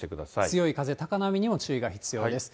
強い風、高波にも注意が必要です。